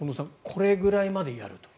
これぐらいまでやると。